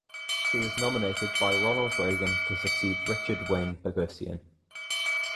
He was nominated by Ronald Reagan to succeed Richard Wayne Bogosian.